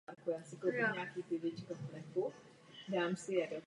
V taxonomickém pojetí obou českých taxonů panuje nejednotnost.